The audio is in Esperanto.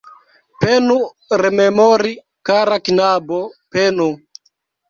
Penu rememori, kara knabo, penu.